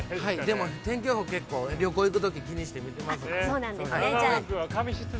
でも、天気予報は結構、旅行に行くとき気にして見てます。